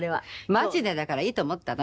マチネだからいいと思ったの。